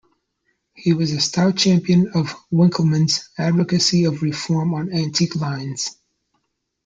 He was a stout champion of Winckelmann's advocacy of reform on antique lines.